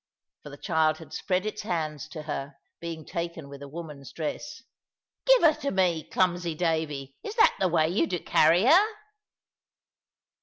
for the child had spread its hands to her, being taken with a woman's dress. "Give her to me, clumsy Davy. Is it that way you do carry her?"